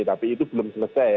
tapi itu belum terlambat